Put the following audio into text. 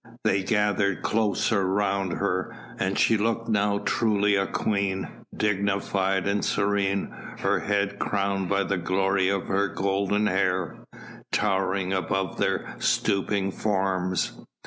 They gathered closer round her, and she looked now truly a queen, dignified and serene, her head crowned by the glory of her golden hair towering above their stooping forms.